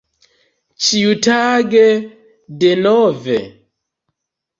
Ĉiutage denove?